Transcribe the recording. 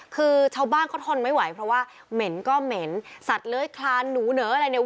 คือชาวบ้านเขาทนไม่ไหวเพราะว่าเหม็นก็เหม็นสัตว์เลื้อยคลานหนูเหนออะไรเนี่ย